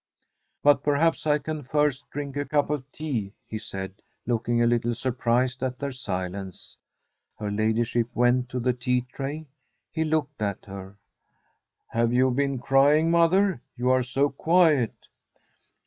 * But perhaps I can first drink a cup of tea/ he said, looking a little surprised at their silence. Her ladyship went to the tea tray. He looked at her. ' Have you been crying, mother? You are so quiet.'